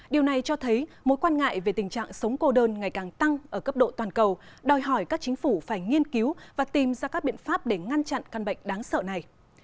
điều này cho thấy mối quan ngại về tình trạng sống cô đơn ngày càng tăng ở cấp độ toàn cầu đòi hỏi các chính phủ phải nghiên cứu và tìm ra các biện pháp để ngăn chặn căn bệnh đáng sợ này